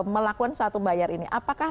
melakukan suatu bayar ini apakah